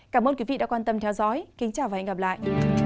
cảm ơn quý vị đã quan tâm theo dõi kính chào và hẹn gặp lại